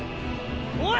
おい！